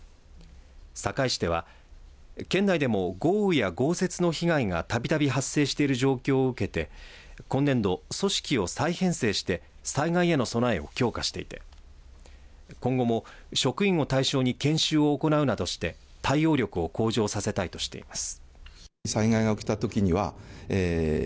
坂井市では県内でも豪雨や豪雪の被害がたびたび発生している状況を受けて今年度、組織を再編成して災害への備えを強化していて今後も職員を対象に研修を行うなどして対応力を向上させたいとしています。